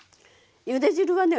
ゆで汁はね